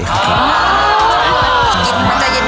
กินอย่างเย็นนิดนึงค่ะ